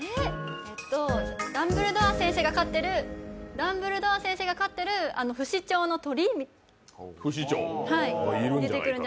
ダンブルドア先生が飼ってる不死鳥の鳥？